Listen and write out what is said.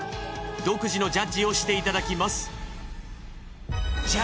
独自のジャッジをしていただきます。